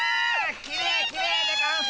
きれいきれいでゴンス！